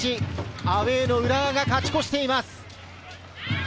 アウェーの浦和が勝ち越しています。